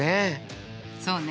そうね。